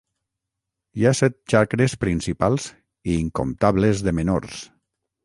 Hi ha set txakres principals i incomptables de menors.